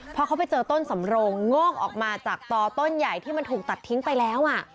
พอเขาไปเจอต้นสำโรงโงกออกมาจากต่อต้นใหญ่ที่มันถูกตัดทิ้งไปแล้ว